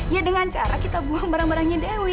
ya dengan cara kita buang barang barangnya dewi